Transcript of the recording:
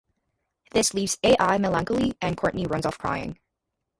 This leaves Al melancholy, and Courtney runs off crying.